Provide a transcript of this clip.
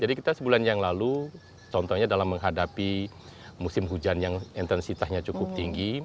jadi kita sebulan yang lalu contohnya dalam menghadapi musim hujan yang intensitasnya cukup tinggi